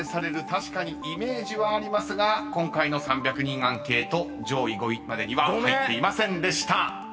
確かにイメージはありますが今回の３００人アンケート上位５位までには入っていませんでした。